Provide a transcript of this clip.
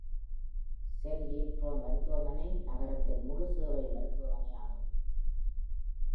San Leandro மருத்துவமனை நகரத்தின் முழு சேவை மருத்துவமனையாகும்.